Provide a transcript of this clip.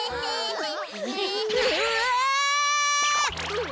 うわ！